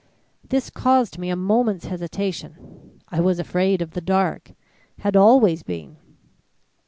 This caused me a moment's hesitation. I was afraid of the dark had always been.